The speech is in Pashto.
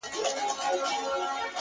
زه غریب د جانان میني له پخوا وژلی ومه.!